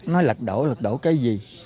nói lật đổ lật đổ cái gì